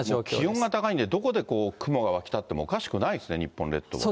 気温が高いんで、どこで雲が湧き立ってもおかしくないですね、日本列島はね。